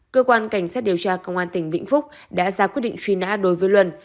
cơ quan cảnh sát điều tra công an tỉnh vĩnh phúc đã ra quyết định truy nã đối với luân